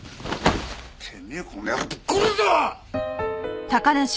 てめえこの野郎ぶっ殺すぞ！